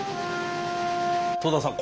戸田さん